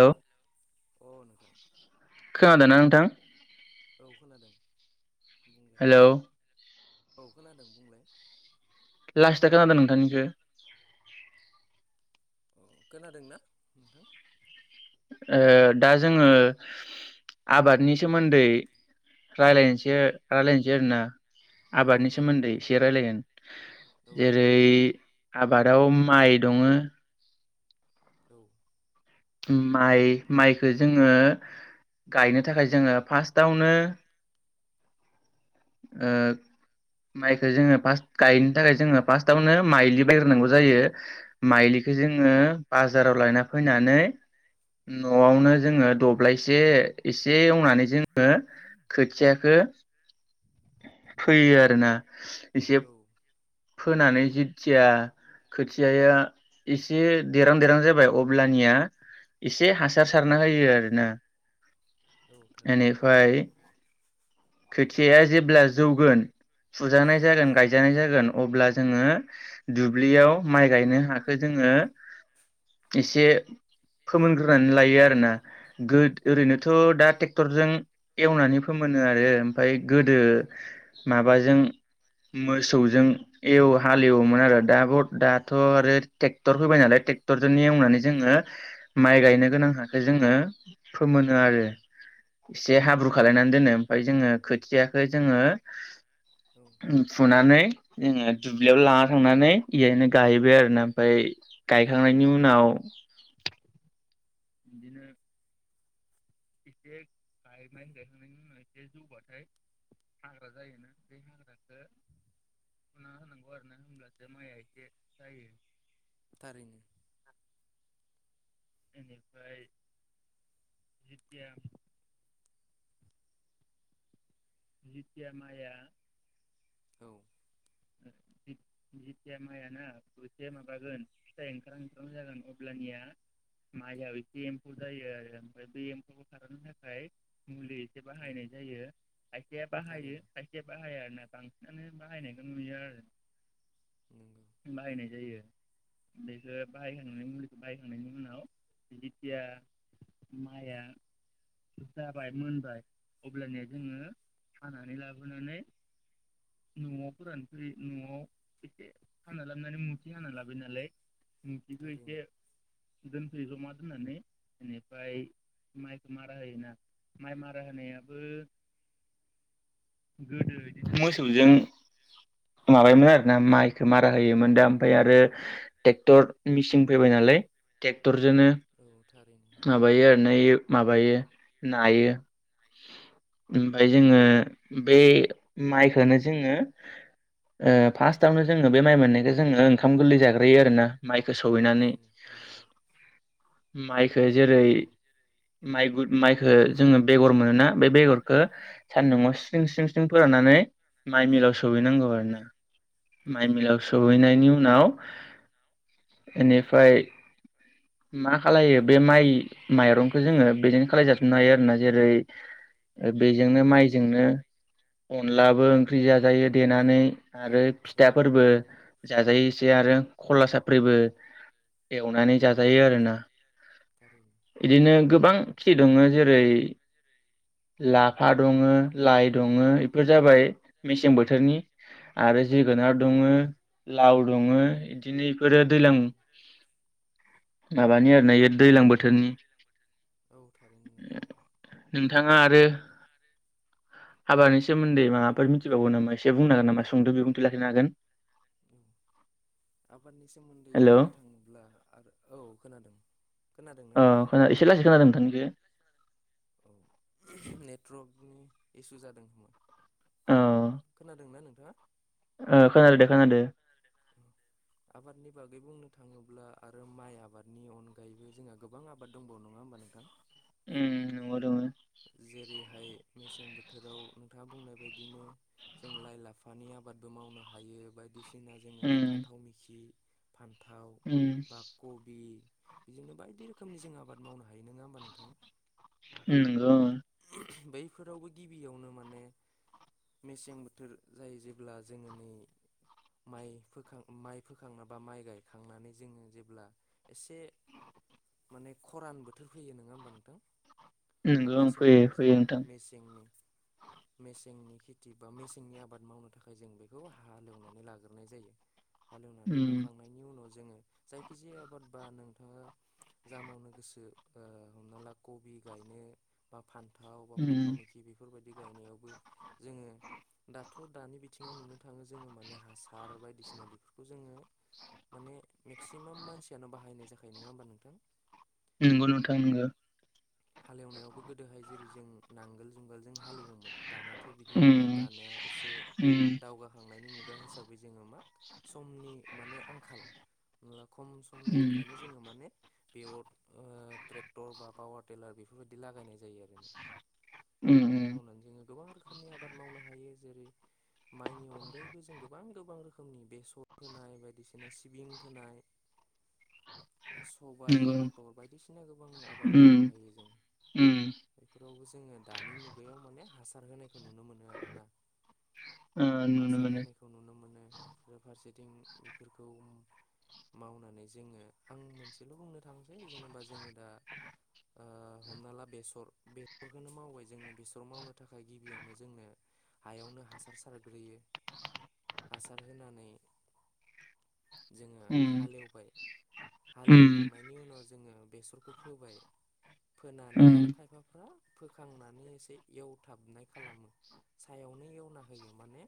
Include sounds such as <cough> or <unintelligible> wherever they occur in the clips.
हेल' अ नोंथां खोनादों ना नोंथां। औ खोनादों। हेलौ। औाव खोनादों बुंलाय। लास थाख खोनादों नोंथांनिखौ। अ खोनादोंना नोंथां। ओ दा जोङो आबादनि सोमोन्दै रायलायनोसै रायलायनोसै आरोना औ आबादनि दे सोमोन्दै बुं एसे रायलायगोन औ दे जेरै बुंलाय आाबद आबादाव माइ दोङो औ। माइ माइखो जोङो गायनो थाखाय जोङो फार्स्टआवनो ओ माइखो जोङो फास्ट गायनो थाखाय जोङो फार्स्टआवनो माइलि बायग्रोनांगौ जायो औ माइलिखौ जोङो बाजाराव लायना फैनानै न'आवनो जोङो द जब्लासे एसे एवनानै जोङो खोथियाखौ फैयो आरो ना। एसे। औ फोनानै जिथिया खोथियाया एसे देरां देरां जाबाय अब्लानिया एसे हासार सारना होयो आरोना। औ थारैनो एनिफ्राय खोथियाया जेब्ला जौगोन। फुजानाय औ जागोन गायजानाय जागोन। अब्ला जोङो दुब्लियाव माइ गायनो हखौ जोङो एसे फोमोनग्रोनानै लायो आरोना। गो औ ओरैनोथ' दा टेक क्टरजों एवनानै फोमोनो आरो ओमफ्राय गोदो औ माबा माबाजों मोसौजों एव हाल एवोमोन आरो दाबो दाथ आरो ट्रेक्टर होबाय नालाय। ट्रेक्टर जों एवनानै जोङो माइ गायनो गोनां हाखो जोङो फोमोनो आरो से हाब्रु खालायनानै दोनो ओमफाय जोङो खोथियाखो जोङो औ उम फुनानै जोङो दुब्लियाव लाना थांनानै इहायनो गाहैबाय आरो ना ओमफाय औ गायखांनायनि उनाव एसेक गाय माइ गायहांनायनि उनाव एसे जौबाथाय हाग्रा जायोना बे हाग्राखो फुना होनांगौ आरो ना होनब्लासो माइआ एसे जायो। थारैनो। बेनिफ्राय जितिया जितिया माइया औ जि जितिया माइआ ना ओसे माबागोन फिथाइ ओंखारहां ओंखारहां जागोन अब्लानिया माइआ एसे एम्फौ जायो आरो बे एम्फौखौ खारहोनो थाखाय मुलि बे बाहायनाय जायो खायसेया बाहायो थारैनो खायसेया बाहाया आरो ना बांस थानो बाहायनाय ओं नुयो नंगौ आरो बाहायनाय जायो। बेखो बाहायखांनायनि मुलिखो बाहायखांनायनि उनाव जेतिया माइआ जाबाय मोनबाय अब्लानिया जोङो हानानै लाबोनानै न'आव फोरान फै न'आव एसे हाना लाबनानै मुथि हाना लाबोयो नालाय मुथिखो एसे थारैनो दोनफैयो जमान हानानै बेनिफ्राय माइखौ मारा होयोना माइ मारा होनायाबो गोदो इदिनो मोसौजों माबायोमोन आरो ना माइखो मारा होयोमोन दा ओमफाय आरो टेक्टर मिचिन फैबाय नालाय टेक टरजोनो औ थारैनो नंगौ माबायो आरोना इ माबायो। नायो ओमफाय जोङो बे माइखोनो जोङो ओ फार्स्टआवनो जोङो बे माइ मोननायखो जोङो ओंखाम गोरलै जाग्रोयो आरोना माइखौ सौहैनानै थारैनो नंगौ माइखो जेरै माइ बुर माइखो जोङो बेगर मोनोना बे बेगरखो सान्दुंआव स्रिं स्रिं स्रिं फोराननानै माइ मिलाव स सहैनांगौ आरो ना माइ थारैनो मिलाव सौहैनायनि उन नाव इनिफ्राय मा खालायो बे माइ माइरंखो जोङो बेजोंनो खालायजाफिननो हायो आरोना जेरै ओ बेजोंनो माइजोंनो अनलाबो ओंख्रि जाजायो देनानै आरो औ फिथाफोरबो जाजायो एसे औ आरो खला साफ्रिबो एवनानै जाज जायो आरो ना थारैनो इदिनो गोबां खि दङो जेरै लाफा दङो लाइ दङो इफोर जाबाय औ मेसें बोथोरनि आरो जोगोनार औ दङो थारैनो लाव दङो फ्राय इदिनो फोरो दैलां माबानि आरो ना बेयो दैज्लां बोथोरनि औ थारैनो नंगौ नोंथाङा आरो हाबानि सोमोन्दै माबाफोर मिथिबावगौ नामा एसे बुंनो हागोन नामा सुंद' बिबुंथि लाखिनो हागोन। आबादनि सोमोन्दै हेल' बुंनो थाङोब्ला आरो औ खोनादों खोनादोंना अ नोंथाङा खोना एसे लासै खोनादों नोंथांनिखौ औ नेटवर्कनि इसु जादों खोमा अ खोनादोंना नोंथाङा? ओ खोनादो दे खोनादो आबादनि बागै बुंनो थाङोब्ला आरो माइ आबादनि अनगायैबो जोंहा गोबां आबाद दंबावो नङा होमबा नोंथां? उम उम अ दोङो जेरैहाय मेसें बोथोराव नोंथाङा बुंनाय बायदिनो जों लाइ लाफानि आबादबो मावनो हायो बायदिसि ना जोंना जोङो दा उम फान्थाव मिखि फान्थाव उम बा कबि बिजोंनो बायदि रोखोमनि जों आबाद मावनो हायो नङा होमबा नोंथां? उम नंगौ बै फोरावबो गिबियावनो माने मेसें बोथोर जायो जेब्ला जोङो नै माइ फोखां माइ फोखङा बा माइ गायखांनानै जोङो जेब्ला एसे माने खरान बोथोर फैयो नङा होमबा नोंथां? नंगौ अब्ला ओं समाव फैयो फैयो जोङो नोंथां मेसेंनि मेसेंनि खेथि बा मेसेंनि आबाद मावनो थाखाय जों बेखौ हालेवनानै लाग्रोनाय जायो। हालौवनानै उम लाखांनायनि उनाव जोङो जायखि जाया आबाद बा नोंथाङा जा मावनो गोसो ओ हमना ला कबि गायनो बा फान्थाव बा फान्थाव उम मैखि बेफोरबायदि गायनायावबो जोङो दाथ' दानि बिथिङाव नुनो थाङो जोङो माने हासार बायदिसिना बेफोरखौ जोङो माने मेक्सिमाम मानसियानो बाहायनाय जाखायो नङा होमबा नोंथां? नंगौ नोंथां नोंगो। हालेवनायावबो गोदोहाय जेरै जों नांगोल जुंगाल जों हालएवोमोन दानाथ' बिदि नंला उम दानिया एसे उम दावगाहांनायनि मु गा हिसाबै जोङो मा समनि माने आंखाल खम समनि उम थाखायनो जोङो माने बेगट ओ ट्रेक्टर बा पावा टेला बेफोरबायदि लागायनाय जायो आरोना उम खौ उम मावनानै जोङो गोबां रोखोमनि आबाद मावनो हायो जेरै माइनि अनगायैबो जों गोबां गोबां रो <unintelligible> बेसर फोनाय बायदिसिना सिबिं फोनाय बा सबाय नंगौ मथ बायदिसिना गोबां आबाद मावनो उम हायो जों उम बेफारावबो जोंङो दिनि मुगायाव माने हा खौ नुनो मोनो आरोना ओ नुनो हासार मोनो होनायखौ नुनो मोनो बेरा फारसे थिं बेफोरखौ मावनानै जोङो आं मोनसेल' बुंनो थांसै जेनेबा जोङो दा ओ हमना ला बेसर बेसरखौनो मावबाय जोङो बेसर मावनो थाखाय गिबियावनो जोंनो हायावनो हासार सारग्रोयो हासार होनानै। जोङो उम हालेवबाय उम हालेवखांनायनि उनाव जोङो। बेसरखौ फोबाय। फोनानै उम आरो खायफाफ्रा फोखांनानै एसे एवथाबनाय खालामो सायावनो एवना होयो माने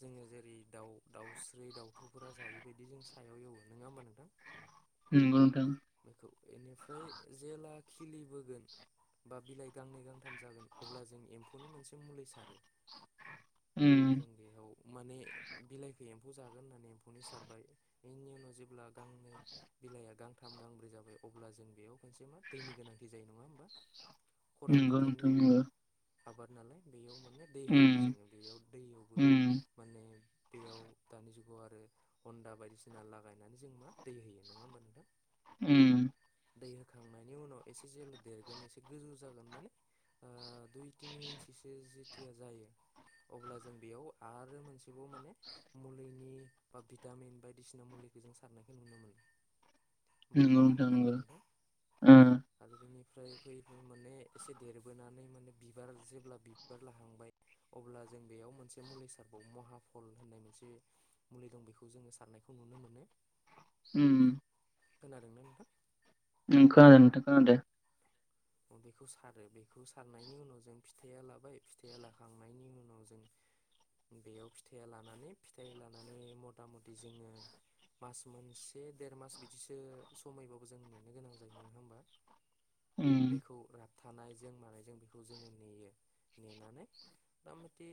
जोङो जेरै- दाउ दाउस्रि दाउथुफोरा जायैबायदि जों सायाव एवो नोङा होमबा नोंथां? नंगौ नोंथां बेखौ एनिफ्राय जेला। खिलिबोगोन बा बिलाइ गांनै गांथाम जागोन अब्ला जों एम्फौनि मोनसे मुलि सारो। उम जों बेयाव। माने बिलाइखो एम्फौ जागोन होननानै एम्फौनि सारबाय बेनि उनाव जेब्ला। गांनै बिलाइआ गां थाम गांब्रै जाबाय अब्ला जों बेयाव खनसे दैनि गोनांथि जायो नङा होमबा? खरां नोंगौ बोथोरनि नोंथां नोंगौ। आबाद नालाय बेयाव। मोने दै होयो जोङो बेयाव दैयावबो उम माने। बेयाव दानि जुगाव आरो हन्दा बायदिसिना लागायनानै जों मा दै होयो नङा होमबा नोंथां? उम। दै होखांनाय। नि उनाव एसे जेला देरगोन एसे गोजौ जागोन माने ओ। दुइ टिनि इन्सि सो थिया जायो अब्ला जों बेयाव आरो मोनसेबाव माने मुलिनि बा भिटामिन बायदिसिना मुलिखौ जों सारनायखौ नुनो मोनो। नंगौ बाहायो नोंथां नोङा होमबा नंगौ नोंथां? ओ <unintelligible> बेनिफ्राय फैयै फैयै माने एसे देरबोनानै माने बिबार जेब्ला बिबार लाहांबाय अब्ला जों बेयाव मोनसे मुलि सारबावो महाफल होननाय मोनसे मुलि दं बेखौ जोङो सारनायखौ नुनो मोनो। उम-उम। खोनादोंना नोंथां? ओं खोनादो नोंथां खोनादो। बेखौ सारो बेखौ सारनायनि उनाव जों फिथाइया लाबाय फिथाया लाखांनायनि उनाव जों बेयाव फिथाइया लानानै फिथाइ लानानै मथा मथि जोङो मास मोनसे देर मास बिदिसो समयबाबो जों नेनो गोनां जायो नङा होमबा? उम बेखौ राफ थानायजों मानायजों बेखौ जोङो नेयो नेनानै मतामथि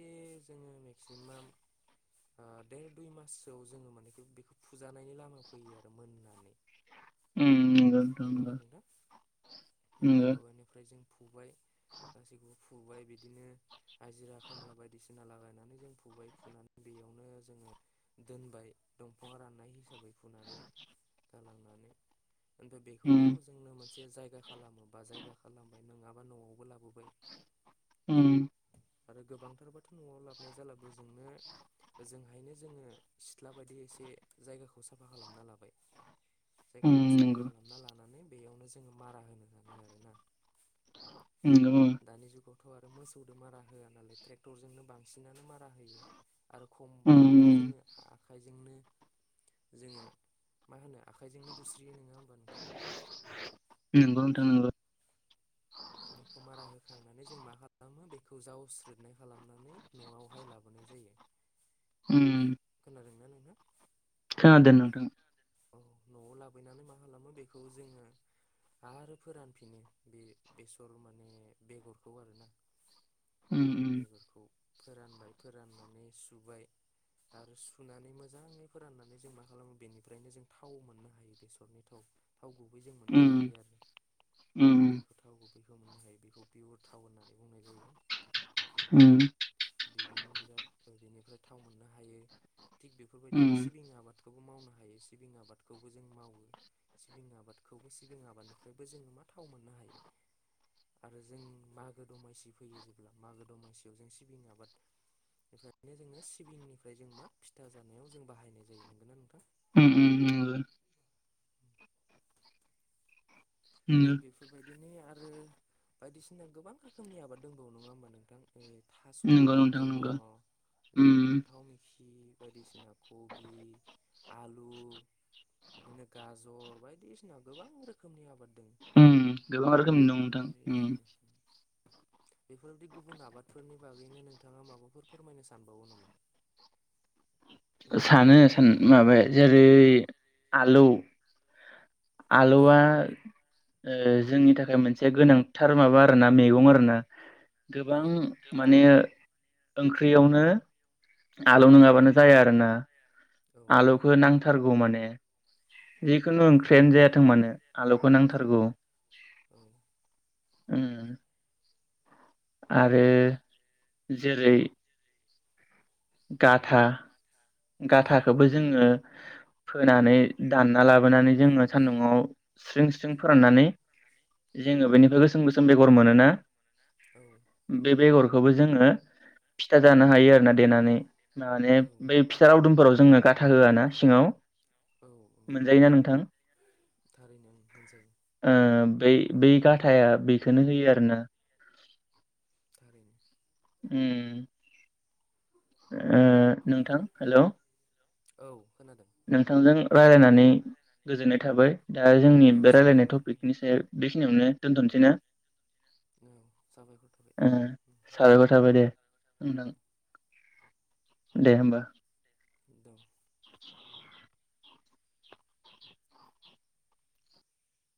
जोङो मेक्सिमाम ओ देर दुइ माससोआव जोङो माने बेखौ फुजानायनि लामायाव फैयो आरो मोननानै। उम उम नोंगौ नोंथां नंगौना नोंगौ नोंथां नोंगो। बेखौ बेनिफ्राय जों फुबाय। ससि <inaudible> फुबाय बिदिनो हाजिरा खामला बायदिसिना लागायनानै जों फुबाय फुनानै बेयावनो जोङो दोनबाय दंफाङा राननाय हिसाबै फुनानै दालांनानै। ओमफाय उम बेखौनो जोंनो मोन जायगा खालामो बा जायगा खालामबाय नङाबा न'आवबो लाबोबाय <inaudible> आरो गोबांथारबाथ' न'आव लाबोन जालाबो जोंनो ओजोंहायनो जोङो सिथ्ला बायदि एसे जायगाखौ साफा खालामना लाबाय उम जायगाखौ साफा नंगौ खालामना लानानै बेयावनो जोङो मारा होनो हागोन बे आरो ना न दाथ' आरो मोसौो मारा होआ नालाय ट्रेक्टरजोंनो बांसिनानो मारा होयो आरो उम उम खमब्लाथ' जोङो आखाइजोंनो जोङो मा होनो आखाइजोंनो बुस्रियो नोङा होमबा नोंथां नंगौ नोंथां नंगौ बेखौ मारा होखांनानै जों मा खालामो बेखौ जावस्रोदनाय खालामनानै न'आवहाय लाबोनाय जायो उम जादोंना नोंथां खोनादों नोंथां औ न'आव लाबोनानै मा खालामो बेखौ जोङो आरो फोरानफिनो बे बेसर माने बेगरखौ आरोना उम उम बेगरखौ फोरानबाय फोराननानै सुबाय आरो सुनानै मोजाङै फोराननानै जों मा खालामो बेनि जों थाव मोननो हायो बेसरनि थाव थाव गुबै जों मोननो उम हायो आरो उम बेखौ थाव गुब बेखौ मोननो हायो बेखौ पियर थाव होननानै उम बि बिराद बेनिफ्राय थाव मोननो हायो थिग बेफोरबायदिनो उम सिबिं आबाद बे खौबो मावनो हायो सिबिं आबादखौबो जों मावो सिबिं आबादखौबो सिबिं आबादनिफ्रायबो जोङो मा थाव मोननो हायो आरो जों मागो दमासि फैयो जेब्ला मागो दमासियाव जों सिबिं आबादनिफ्रायनो जोङो सिबिंनिफ्राय जों मा फिथा जानायाव जों बाहायनाय जायो नंगोनना नोंथां उम उम उम नंगौ थिग बेफोरबायायदि बिदिनो आरो बायदिसिना गोबां रोखोमनि आबाद दंबावो नङा होमबा नोंथां थास' नंगौ आबाद नोंथां दङ नंगौ उम जेरै फान्थाव मेखि बायदि सिना कबि आलु बिदिनो गाजर बायदि सिना गोबां रोखोमनि आबाद दं उम गोबां रोखोमनि दं नोंथां। उम। बेफोर बायदि गुबुन आबादलफोरनि बागैनो नोंथाङा माबालफोर फोरमायनो सानबावो नामा? नोंथाङा सानो मिथिनाय सान बायदि माबाय जेरै आलौ। औ आलौवा ओ जोंनि थाखाय मोनसे गोनांथार माबा आरोना मैगं आरोना। औ गोबां माने ओं ख्रियावनो आलौ नङाबानो जाया आरोना। औ आलुखौ नांथारगौ माने। ए। जिखुनु औ ओंख्रि यानो जायाथों मानो। आलौखौ नांथारगौ औ। उम। आरो जेरै गाथा औ गाथा खौबो जोङो फोनानै दानना लाबो नानै जोङो सान्दुं आव स्रिं स्रिं फोराननानै औ जोङो बेनिफ्राय गोसोम गोसोम बे बेगर मोनोना औ बे बेगर खौबो जोङो फिथा जानो हायो आरोना देनानै। माने औ बेै फिथा लावदुम फोराव जोंङो गाथा होआ ना सिङाव औ औ मोनजायोना नोंथां? थारैनो ओं मोनजायो ओ बै बै गाथा थाया बेखोनो होयो आरो ना। थारैनो। उम। ओ नोंथां हेल' औ खोनादों। नोंथांजों रायलायनानै गोजोननाय थाबाय। दा जोंनि औ बे रायलायनाय साबायखर टपिकनि सायाव बे खिनियावनो दोनथ'नोसै ना? औ साबायखर थाबाय। ओ साबायखर <unintelligible> दे होमबा। <inaudible> दं। <inaudible>